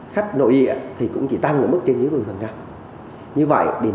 khách nội địa thì cũng chỉ tăng trên vớiaska ba mươi như vậy để để đà nẵng chúng ta đủ năng lực để đón khách random